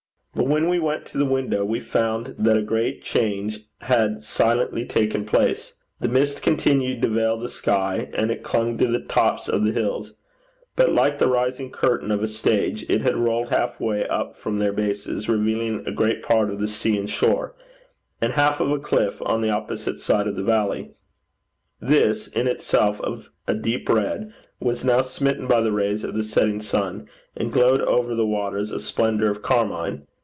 But when we went to the window we found that a great change had silently taken place. The mist continued to veil the sky, and it clung to the tops of the hills; but, like the rising curtain of a stage, it had rolled half way up from their bases, revealing a great part of the sea and shore, and half of a cliff on the opposite side of the valley: this, in itself of a deep red, was now smitten by the rays of the setting sun, and glowed over the waters a splendour of carmine.